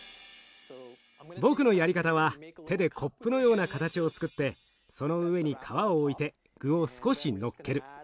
僕のやり方は手でコップのような形をつくってその上に皮を置いて具を少しのっける。